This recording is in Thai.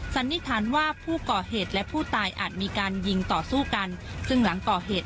สันนิษฐานว่าผู้ก่อเหตุและผู้ตายอาจมีการยิงต่อสู้กันซึ่งหลังก่อเหตุ